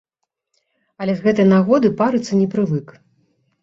Але з гэтай нагоды парыцца не прывык.